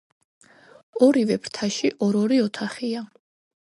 ორივე ფრთაში ორ-ორი ოთახია.